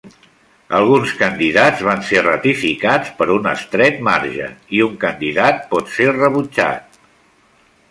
Alguns candidats van ser ratificats per un estret marge i un candidat pot ser rebutjat.